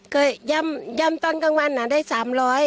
เคยย่ำตอนกลางวันนะได้สามร้อย